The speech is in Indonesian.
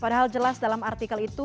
padahal jelas dalam artikel itu